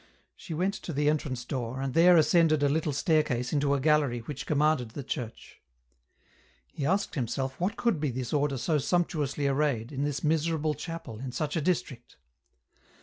She went to the entrance door, and there ascended a little staircase into a gallery which commanded the church. He asked himself what could be this Order so sumptu ously arrayed, in this miserable chapel, in such a district